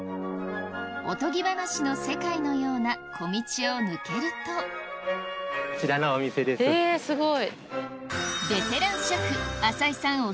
おとぎ話の世界のような小径を抜けるとえすごい。